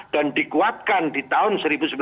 dan dikuatkan di tahun seribu sembilan ratus sembilan puluh